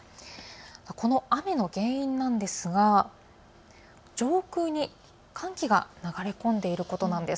この雨の原因なんですが上空に寒気が流れ込んでいるんです。